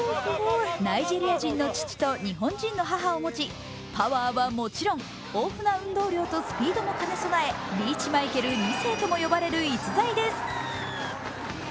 ナイジェリア人の父と日本人の母を持ちパワーはもちろん、豊富な運動量とスピードも兼ね備え、リーチマイケル２世とも呼ばれる逸材です。